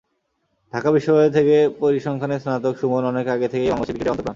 ঢাকা বিশ্ববিদ্যালয় থেকে পরিসংখ্যানে স্নাতক সুমন অনেক আগে থেকেই বাংলাদেশের ক্রিকেটের অন্তঃপ্রাণ।